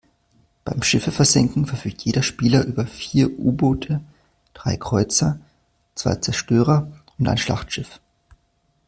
Beim Schiffe versenken verfügt jeder Spieler über vier U-Boote, drei Kreuzer, zwei Zerstörer und ein Schlachtschiff.